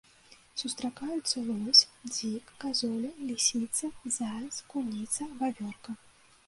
Сустракаюцца лось, дзік, казуля, лісіца, заяц, куніца, вавёрка.